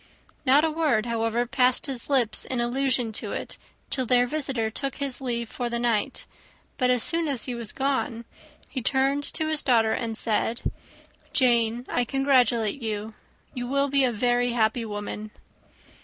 Not a word, however, passed his lips in allusion to it, till their visitor took his leave for the night; but as soon as he was gone, he turned to his daughter and said, "Jane, I congratulate you. You will be a very happy woman."